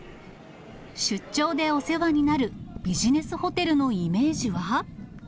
出張でお世話になるビジネスホテルのイメージは。